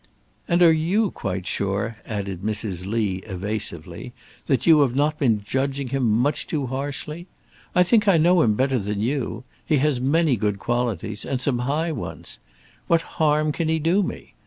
"And are you quite sure," added Mrs. Lee, evasively, "that you have not been judging him much too harshly? I think I know him better than you. He has many good qualities, and some high ones. What harm can he do me?